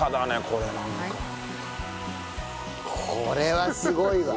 これはすごいわ。